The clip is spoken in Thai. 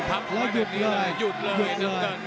แล้วหยุดเลยหยุดเลย